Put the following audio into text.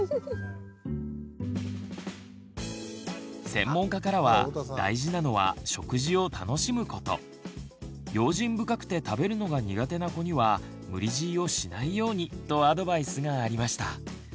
専門家からは大事なのは食事を楽しむこと用心深くて食べるのが苦手な子には無理強いをしないようにとアドバイスがありました。